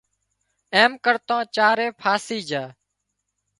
ايم ڪرتان چارئي ڦاسي جھا